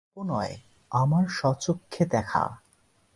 গল্প নয়, আমার স্বচক্ষে দেখা।